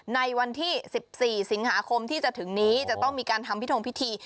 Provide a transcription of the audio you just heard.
ในวันที่๑๔สิงหาคมที่จะถึงนี้จะต้องมีการทำพิธงพิธี